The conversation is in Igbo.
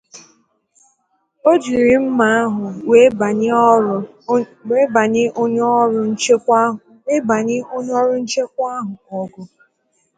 o jiri mma ahụ wee bànye onye ọrụ nchekwa ahụ ọgụ